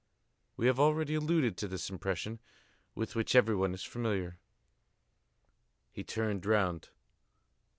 We have already alluded to this impression, with which everyone is familiar. He turned round.